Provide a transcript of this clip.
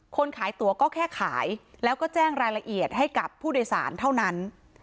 คนขายตัวก็แค่ขายแล้วก็แจ้งรายละเอียดให้กับผู้โดยสารเท่านั้น